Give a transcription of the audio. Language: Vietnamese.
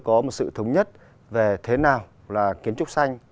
có một sự thống nhất về thế nào là kiến trúc xanh